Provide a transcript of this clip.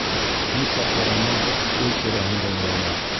Нисә ҡарама өй тирәһендә урала.